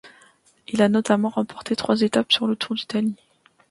Il a notamment remporté trois étapes sur le Tour d'Italie.